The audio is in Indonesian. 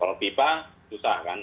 kalau pipa susah kan